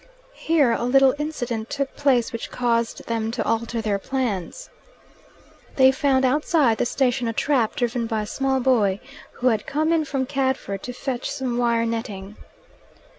Here a little incident took place which caused them to alter their plans. They found outside the station a trap driven by a small boy, who had come in from Cadford to fetch some wire netting.